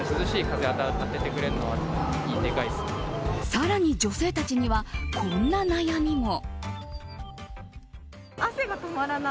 更に、女性たちにはこんな悩みも。